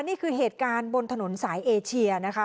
นี่คือเหตุการณ์บนถนนสายเอเชียนะคะ